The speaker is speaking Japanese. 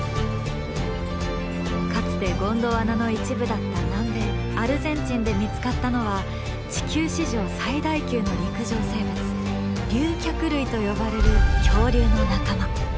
かつてゴンドワナの一部だった南米アルゼンチンで見つかったのは地球史上最大級の陸上生物「竜脚類」と呼ばれる恐竜の仲間。